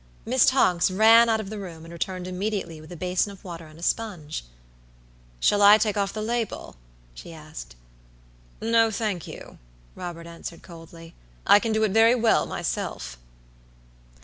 Miss Tonks ran out of the room and returned immediately with a basin of water and a sponge. "Shall I take off the label?" she asked. "No, thank you," Robert answered, coldly. "I can do it very well myself."